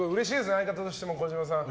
相方としても児嶋さん。